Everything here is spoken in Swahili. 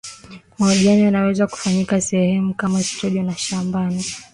mahojiano yanaweza kufanyika sehemu kama studio na shambani